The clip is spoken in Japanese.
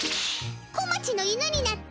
小町の犬になって。